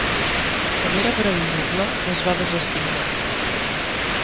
Com era previsible, les va desestimar.